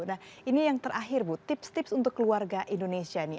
nah ini yang terakhir bu tips tips untuk keluarga indonesia nih